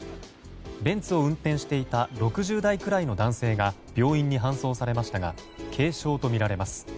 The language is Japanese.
ベンツを運転していた６０代くらいの男性が病院に搬送されましたが軽傷とみられます。